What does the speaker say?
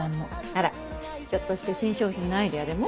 あらひょっとして新商品のアイデアでも？